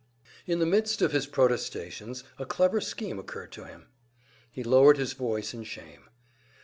In the midst of his protestations a clever scheme occurred to him. He lowered his voice in shame.